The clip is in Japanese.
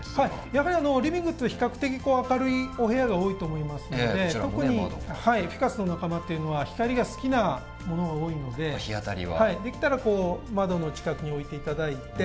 やはりリビングって比較的明るいお部屋が多いと思いますので特にフィカスの仲間っていうのは光が好きなものが多いのでできたらこう窓の近くに置いて頂いて。